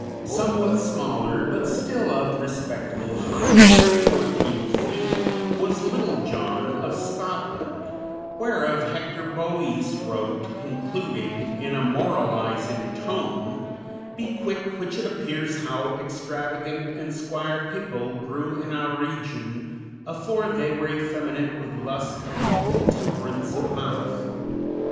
Somewhat smaller, but still of respectable height, fourteen feet, was "Littell Johne" of Scotland, whereof Hector Boece wrote, concluding, in a moralizing tone, "Be quilk (which) it appears how extravegant and squaire pepill grew in oure regioun afore they were effeminat with lust and intemperance of mouth."